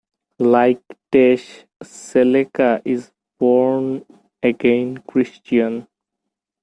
Like Tesh, Sellecca is a born again Christian.